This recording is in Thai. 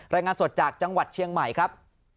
รายงานสดจากจังหวัดเชียงใหม่ครับ